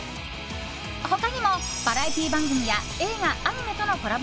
他にもバラエティー番組や映画、アニメとのコラボ